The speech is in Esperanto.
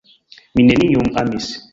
mi neniun amis.